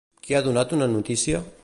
Qui ha donat una notícia?